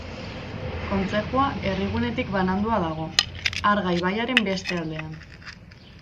Kontzejua herrigunetik banandua dago, Arga ibaiaren beste aldean.